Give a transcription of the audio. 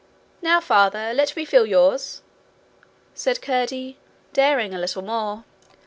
'Now, Father, let me feel yours,' said Curdie, daring a little more.